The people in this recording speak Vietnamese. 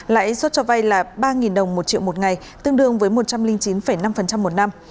lãi suất cho vay là ba đồng một triệu một ngày tương đương với một trăm linh chín năm một năm